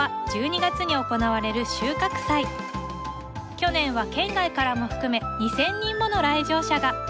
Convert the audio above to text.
去年は県外からも含め２，０００人もの来場者が！